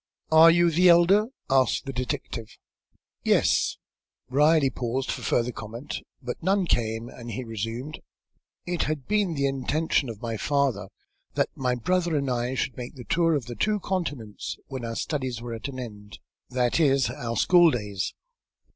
"Are you the elder?" asked the detective. "Yes." Brierly paused for further comment, but none came, and he resumed. "It had been the intention of my father that my brother and I should make the tour of the two continents when our studies were at an end; that is, our school days.